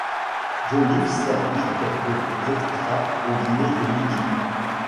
Joliffe servit quelques « extra » au dîner de midi.